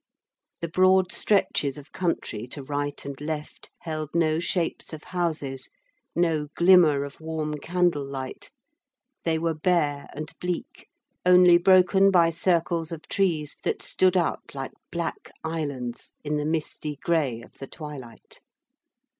The broad stretches of country to right and left held no shapes of houses, no glimmer of warm candle light; they were bare and bleak, only broken by circles of trees that stood out like black islands in the misty grey of the twilight.